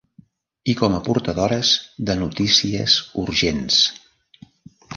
I com a portadores de notícies urgents.